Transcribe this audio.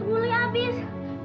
kak obat ruli habis